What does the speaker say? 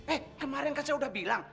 eh kemarin kan saya udah bilang